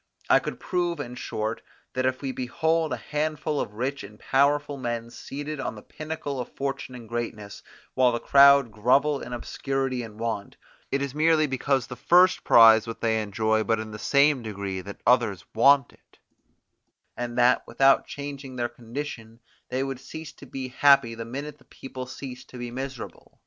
I could prove, in short, that if we behold a handful of rich and powerful men seated on the pinnacle of fortune and greatness, while the crowd grovel in obscurity and want, it is merely because the first prize what they enjoy but in the same degree that others want it, and that, without changing their condition, they would cease to be happy the minute the people ceased to be miserable.